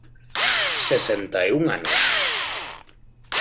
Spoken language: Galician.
Sesenta e un anos.